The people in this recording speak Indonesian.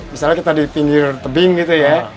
misalnya kita di pinggir tebing gitu ya